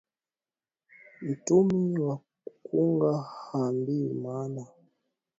Mtumi wa kunga haambiwi maana